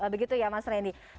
begitu ya mas reni